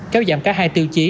kéo giảm cả hai tiêu chí